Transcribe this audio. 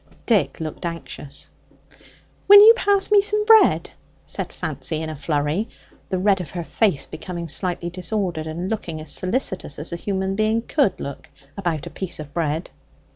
Dick looked anxious. "Will you pass me some bread?" said Fancy in a flurry, the red of her face becoming slightly disordered, and looking as solicitous as a human being could look about a piece of bread.